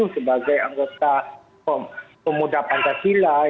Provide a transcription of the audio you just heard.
sebagai anggota pemuda pancasila